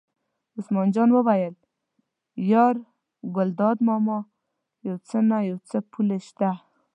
عثمان جان وویل: یار ګلداد ماما یو څه نه څه پولې شته.